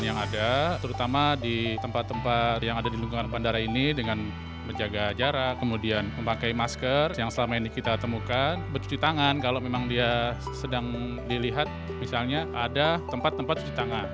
yang ada terutama di tempat tempat yang ada di lingkungan bandara ini dengan menjaga jarak kemudian memakai masker yang selama ini kita temukan bercuci tangan kalau memang dia sedang dilihat misalnya ada tempat tempat cuci tangan